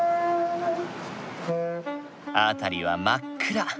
辺りは真っ暗。